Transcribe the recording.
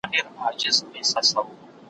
زه سينه سپين کړی دی،